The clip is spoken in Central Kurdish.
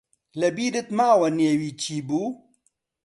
لەبیرت ماوە نێوی چی بوو؟